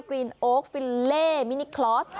กรีนโอ๊คฟิลเล่มินิคลอส